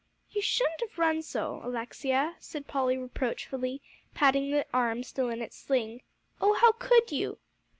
"You shouldn' have run so, Alexia," said Polly reproachfully, patting the arm still in its sling. "Oh, how could you!"